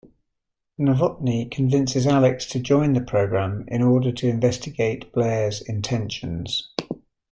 Novotny convinces Alex to join the program in order to investigate Blair's intentions.